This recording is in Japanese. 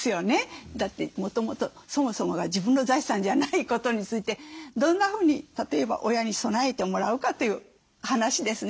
だってそもそもが自分の財産じゃないことについてどんなふうに例えば親に備えてもらうかという話ですね。